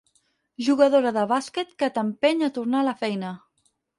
Jugadora de bàsquet que t'empeny a tornar a la feina.